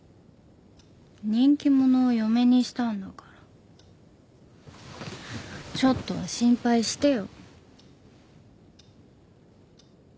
人気者を嫁にしたんだからちょっとは心配してよ。